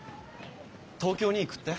東京に行くって？